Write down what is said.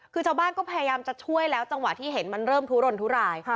คือชาวบ้านก็พยายามจะช่วยแล้วจังหวะที่เห็นมันเริ่มทุรนทุราย